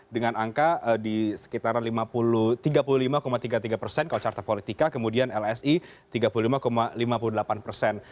dengan angka di sekitaran tiga puluh lima tiga puluh tiga persen kalau carta politika kemudian lsi tiga puluh lima lima puluh delapan persen